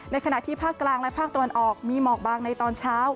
ขณะที่ภาคกลางและภาคตะวันออกมีหมอกบางในตอนเช้า